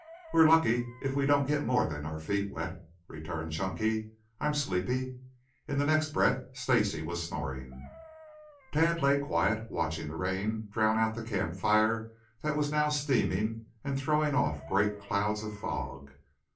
"We're lucky if we don't get more than our feet wet," returned Chunky. "I'm sleepy." In the next breath Stacy was snoring. Tad lay quiet, watching the rain drown out the campfire that was now steaming and throwing off great clouds of fog.